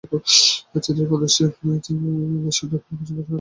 চীনের এই প্রদেশটি দেশের দক্ষিণ পশ্চিমে পাহাড়ি এলাকা নিয়ে গঠিত।